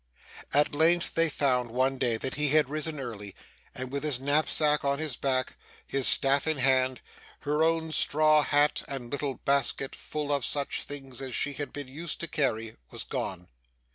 At length, they found, one day, that he had risen early, and, with his knapsack on his back, his staff in hand, her own straw hat, and little basket full of such things as she had been used to carry, was gone.